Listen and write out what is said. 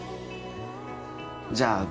じゃあ